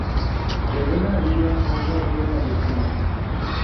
Como buena diva, no fue ajena al escándalo.